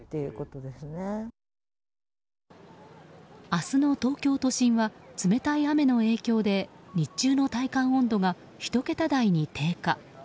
明日の東京都心は冷たい雨の影響で日中の体感温度が１桁台に低下。